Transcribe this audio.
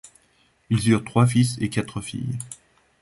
Ils eurent trois fils et quatre filles.